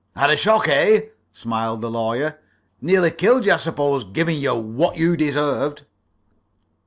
"Had a shock, eh?" smiled the Lawyer. "Nearly killed you, I suppose, giving you what you deserved?"